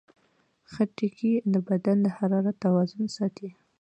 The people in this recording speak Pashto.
خټکی د بدن د حرارت توازن ساتي.